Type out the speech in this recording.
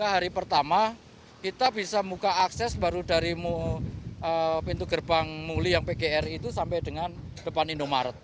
hari pertama kita bisa buka akses baru dari pintu gerbang muli yang pgr itu sampai dengan depan indomaret